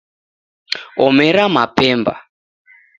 Omera mapemba